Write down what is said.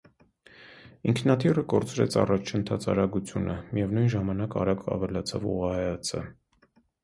Ինքնաթիռը կորցրեց առաջընթաց արագությունը, միևնույն ժամանակ արագ ավելացավ ուղղահայացը։